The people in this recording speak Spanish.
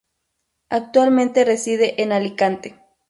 Actualmente reside en Alicante.